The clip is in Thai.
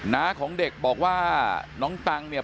น้าของเด็กบอกว่าน้องตังเนี่ย